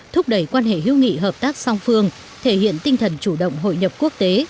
thúc đẩy quan hệ hưu nghị hợp tác song phương thể hiện tinh thần chủ động hội nhập quốc tế